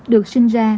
được sinh ra